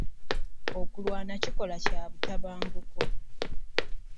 Okulwana kikolwa kya butabanguko.